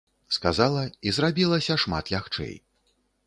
Сказала, і зрабілася шмат лягчэй.